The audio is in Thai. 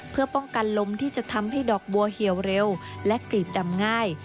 เพื่อป้องกันลมที่จะทำให้ดอกบัวเหี่ยวเร็วและกลีบดำง่าย